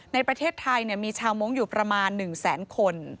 ในประเทศไทยมีชาวมงค์อยู่ประมาณ๑แสนคน